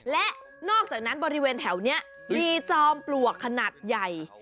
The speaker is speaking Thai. และนอกจากนั้นบริเวณแถวนี้มีจอมปลวกขนาดใหญ่